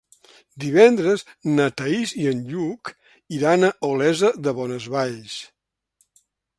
Divendres na Thaís i en Lluc iran a Olesa de Bonesvalls.